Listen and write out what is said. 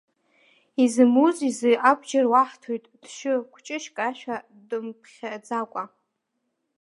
Изымуз изы абџьар уаҳҭоит, дшьы, кәҷышьк ашәа дымԥхьаӡакәа.